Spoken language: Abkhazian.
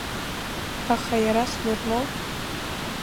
Аха иара Смирнов?